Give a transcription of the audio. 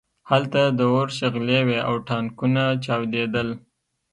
هلته د اور شغلې وې او ټانکونه چاودېدل